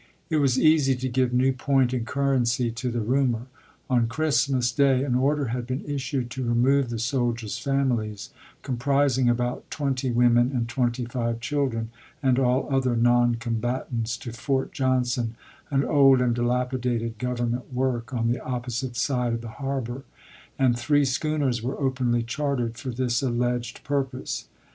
It was easy to give new point and currency to the rumor. On Christmas day an order had been issued to remove the soldiers' families, comprising about twenty women and twenty five children, and all other non combatants to Fort Johnson, an old and di lapidated Government work on the opposite side of the harbor, and three schooners were openly chartered for this alleged purpose.